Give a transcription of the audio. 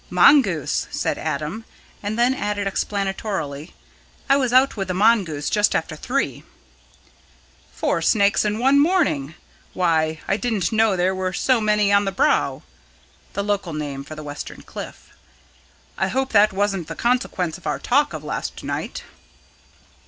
"Mongoose," said Adam, and then added explanatorily: "I was out with the mongoose just after three." "Four snakes in one morning! Why, I didn't know there were so many on the Brow" the local name for the western cliff. "I hope that wasn't the consequence of our talk of last night?"